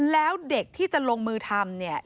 และเด็กที่จะลงมือทำ